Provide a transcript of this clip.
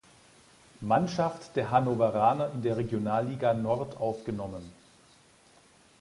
Mannschaft der Hannoveraner in der Regionalliga Nord aufgenommen.